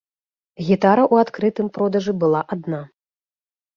Гітара ў адкрытым продажы была адна.